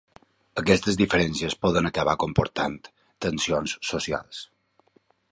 Aquestes diferències poden acabar comportant tensions socials.